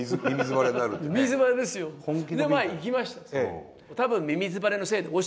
でまあ行きました。